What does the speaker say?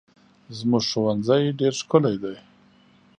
زموږ ښوونځی ډېر ښکلی دی.